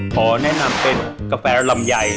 ขอแนะนำเป็นกาแฟลำไย